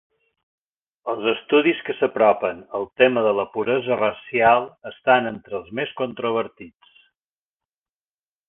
Els estudis que s'apropen al tema de la puresa racial estan entre els més controvertits.